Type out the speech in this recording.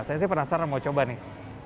saya sih penasaran mau coba nih